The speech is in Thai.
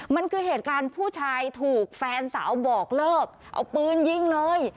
มันคือเหตุการณ์ผู้ชายถูกแฟนสาวบอกเลิกเอาปืนยิงเลย